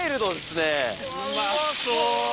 うまそう！